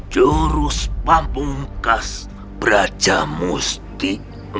jurus pampungkas brajamusti